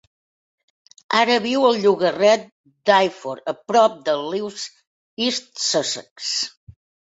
Ara viu al llogaret d'Iford, a prop de Lewes (East Sussex).